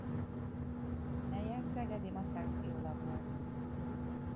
Neje Szegedy-Maszák Viola volt.